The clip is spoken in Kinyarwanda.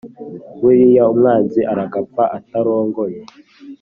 Buriya umwanzi aragapfa atarongoye